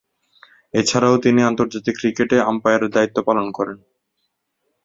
এছাড়াও, তিনি আন্তর্জাতিক ক্রিকেটে আম্পায়ারের দায়িত্ব পালন করেন।